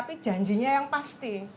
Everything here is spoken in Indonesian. tapi janjinya yang pasti